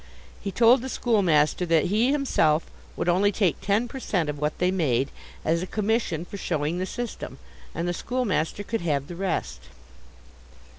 He told the schoolmaster that he himself would only take ten per cent of what they made, as a commission for showing the system, and the schoolmaster could have the rest.